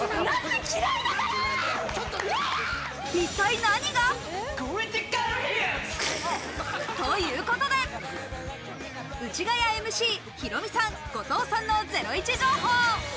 一体何が？ということで、ウチガヤＭＣ、ヒロミさん、後藤さんのゼロイチ情報。